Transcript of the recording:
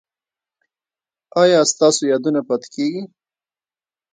ایا ستاسو یادونه پاتې کیږي؟